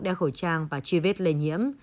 đeo khẩu trang và truy vết lây nhiễm